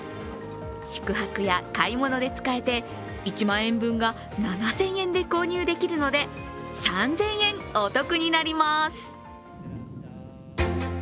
宿泊や買い物で使えて１万円分が７０００円で購入できるので３０００円お得になります。